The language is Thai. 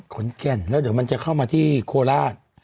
ขอนแก่นแล้วเดี๋ยวมันจะเข้ามาที่โคราช